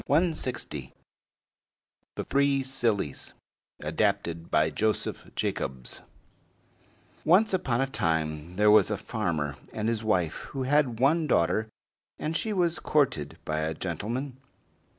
THE THREE SILLIES ADAPTED BY JOSEPH JACOBS Once upon a time there was a farmer and his wife who had one daughter, and she was courted by a gentleman.